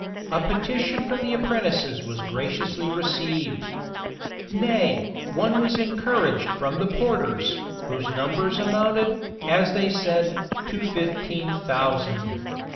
A petition from the apprentices was graciously received.[] Nay, one was encouraged from the porters, whose numbers amounted, as they said, to fifteen thousand.